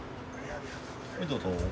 はいどうぞ。